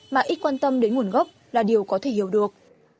mà ít quan tâm đến nguồn gốc là điều có thể hiểu được